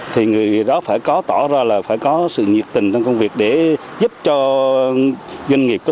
thì người đó phải có tỏ ra là phải có sự nhiệt tình trong công việc để giúp cho doanh nghiệp